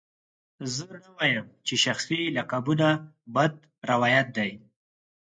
زه نه وایم چې شخصي لقبونه بد روایت دی.